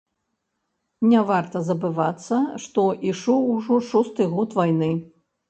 Не варта забывацца, што ішоў ужо шосты год вайны.